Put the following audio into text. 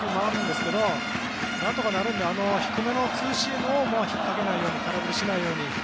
何とかなるので低めのツーシームを引っ掛けないように空振りしないように。